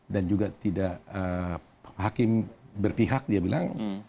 dan juga tidak hakim berpihak dia bilang